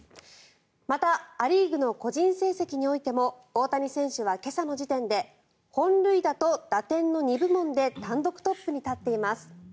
また、ア・リーグの個人成績においても大谷選手は今朝の時点で本塁打と打点の２部門で単独トップに立っています。